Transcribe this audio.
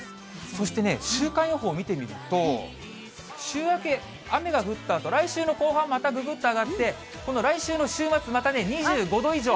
そしてね、週間予報見てみると、週明け、雨が降ったあと、来週の後半、またぐぐっと上がって、この来週の週末、また２５度以上。